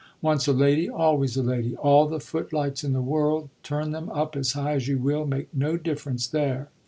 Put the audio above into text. Once a lady always a lady all the footlights in the world, turn them up as high as you will, make no difference there.